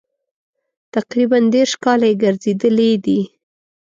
تقریبا دېرش کاله یې ګرځېدلي دي.